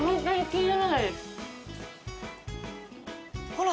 ほら。